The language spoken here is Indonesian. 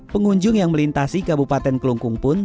pengunjung yang melintasi kabupaten kelungkung pun